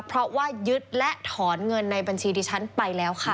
เพราะว่ายึดและถอนเงินในบัญชีดิฉันไปแล้วค่ะ